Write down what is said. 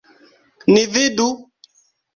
Ni vidu?